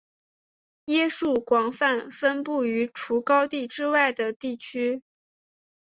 椰树广泛分布于除高地之外的地区。